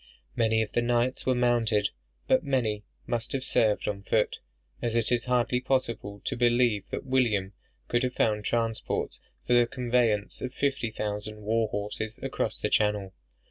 Many of the knights were mounted, but many must have served on foot; as it is hardly possible to believe that William could have found transports for the conveyance of fifty thousand war horses across the Channel.